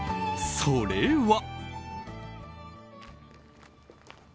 それは。